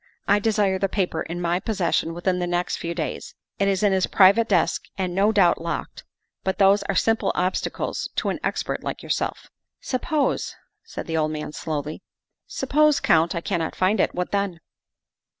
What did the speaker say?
I desire the paper in my pos session within the next few days. It is in his private desk and no doubt locked, but those are simple obstacles to an expert like yourself." " Suppose," said the old man slowly, " suppose, Count, I cannot find it. What then?"